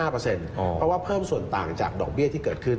เพราะว่าเพิ่มส่วนต่างจากดอกเบี้ยที่เกิดขึ้น